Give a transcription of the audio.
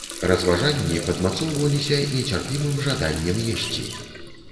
Разважанні падмацоўваліся нецярпімым жаданнем есці.